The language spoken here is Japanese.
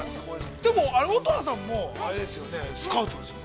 でも、乙葉さんもあれですよね、スカウトですよね。